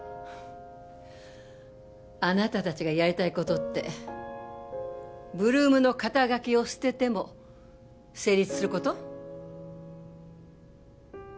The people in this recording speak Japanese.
あなた達がやりたいことって８ＬＯＯＭの肩書を捨てても成立すること？